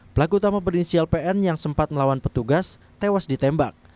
pelaku utama berinisial pn yang sempat melawan petugas tewas ditembak